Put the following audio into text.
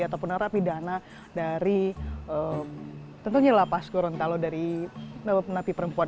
ataupun narapidana dari tentunya lapas gorontalo dari napi perempuan